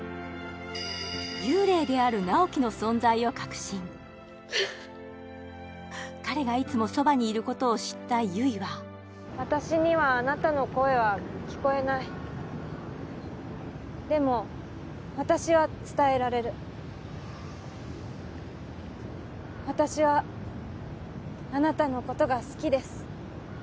幽霊である直木の存在を確信彼がいつもそばにいることを知った悠依は私にはあなたの声は聞こえないでも私は伝えられる私はあなたのことが好きです